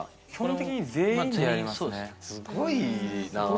すごいな。